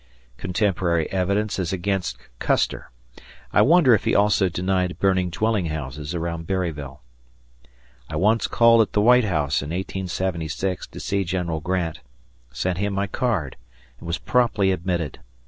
Contemporary evidence is against Custer. I wonder if he also denied burning dwelling houses around Berryville. I once called at the White House in 1876 to see General Grant; sent him my card, and was promptly admitted.